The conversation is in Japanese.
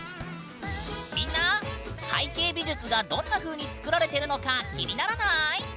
みんな背景美術がどんなふうに作られてるのか気にならない？